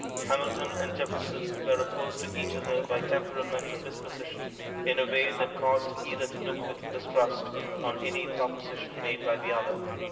Hamilton and Jefferson were opposed to each other by temperament and disposition, in a way that caused either to look with distrust on any proposition made by the other.